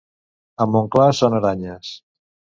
A Montclar són aranyes.